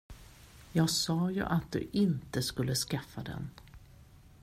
Jag sa ju att du inte skulle skaffa den.